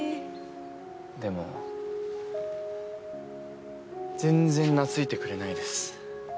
でも全然懐いてくれないです。